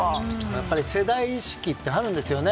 やっぱり世代意識ってありますね。